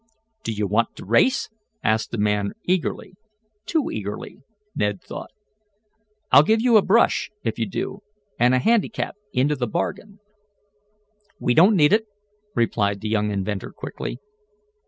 "Do you want to race?" asked the man eagerly, too eagerly, Ned thought. "I'll give you a brush, if you do, and a handicap into the bargain." "We don't need it," replied the young inventor quickly.